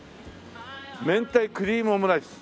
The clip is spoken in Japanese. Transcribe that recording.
「明太クリームオムライス」